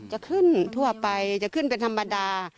จะขึ้นทั่วไปจะขึ้นเป็นธรรมดา